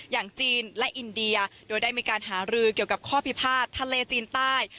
อย่างจีนและอินเดียโดยได้มีการหารือเกี่ยวกับข้อพิพาททะเลจีนใต้